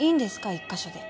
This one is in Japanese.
１カ所で。